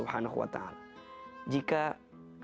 jika kita mengikuti harta haram kita akan menerima keberkahan